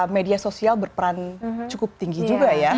media sosial berperan cukup tinggi juga ya